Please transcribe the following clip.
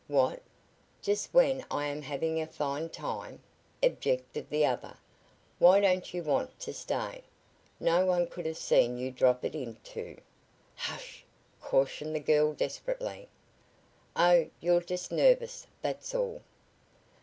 "What? Just when I'm having a fine time?" objected the other. "Why don't you want to stay? No one could have seen you drop it into " "Hush!" cautioned the girl desperately. "Oh, you're just nervous that's all."